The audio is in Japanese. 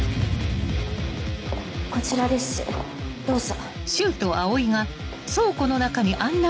こちらですどうぞ。